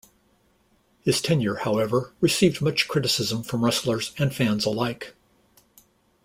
His tenure, however, received much criticism from wrestlers and fans alike.